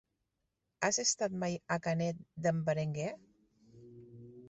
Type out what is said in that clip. Has estat mai a Canet d'en Berenguer?